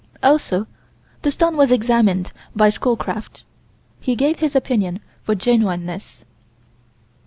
Also the stone was examined by Schoolcraft. He gave his opinion for genuineness.